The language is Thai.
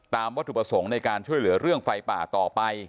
วัตถุประสงค์ในการช่วยเหลือเรื่องไฟป่าต่อไป